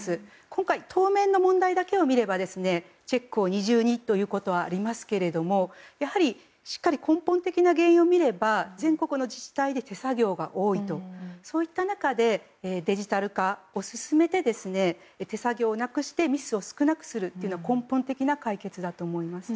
今回、当面の問題だけを見ればチェックを二重にということはありますがやはり、しっかり根本的な原因を見れば全国の自治体で手作業が多いといった中でデジタル化を進めて手作業をなくしてミスを少なくするというのは根本的な解決だと思います。